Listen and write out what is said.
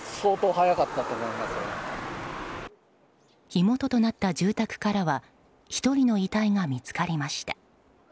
火元となった住宅からは１人の遺体が見つかりました。